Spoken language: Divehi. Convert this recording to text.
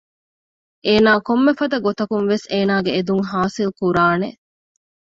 އޭނާ ކޮންމެފަދަ ގޮތަކުންވެސް އޭނާގެ އެދުން ހާސިލްކުރާނެ